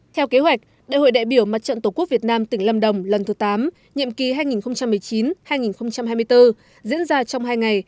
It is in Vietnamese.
theo kế hoạch đại hội đại biểu mặt trận tổ quốc việt nam tỉnh lâm đồng lần thứ tám nhiệm kỳ hai nghìn một mươi chín hai nghìn hai mươi bốn diễn ra trong hai ngày